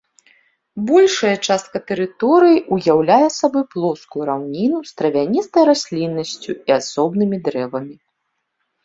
Большая частка тэрыторыі ўяўляе сабой плоскую раўніну з травяністай расліннасцю і асобнымі дрэвамі.